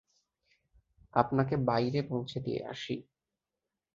আপনাকে বাইরে পৌঁছে দিয়ে আসি।